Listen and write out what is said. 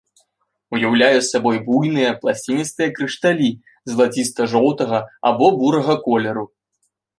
Уяўляе сабой буйныя пласціністыя крышталі залаціста-жоўтага або бурага колеру.